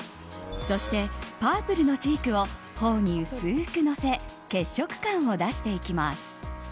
そしてパープルのチークを頬に薄くのせ血色感を出していきます。